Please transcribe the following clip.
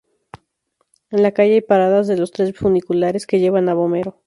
En la calle hay paradas de los tres funiculares que llevan a Vomero.